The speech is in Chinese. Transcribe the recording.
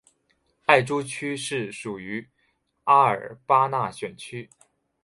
艾珠区是属于阿纳巴尔选区。